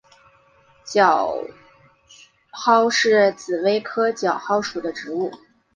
角蒿是紫葳科角蒿属的植物。